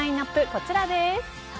こちらです。